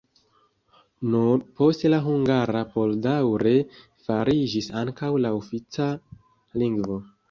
Nur poste la hungara por daŭre fariĝis ankaŭ la ofica lingvo.